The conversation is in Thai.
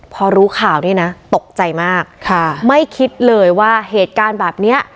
พอรู้ข่าวเนี่ยนะตกใจมากค่ะไม่คิดเลยว่าเหตุการณ์แบบเนี้ย